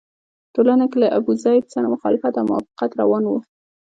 په ټولنه کې له ابوزید سره مخالفت او موافقت روان وو.